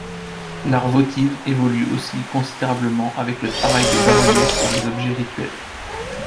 L'art votive évolue aussi considérablement, avec le travail des bas-reliefs sur les objets rituels.